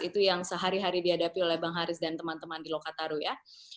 itu yang sehari hari dihadapi oleh bang haris dan teman teman di lokataru ya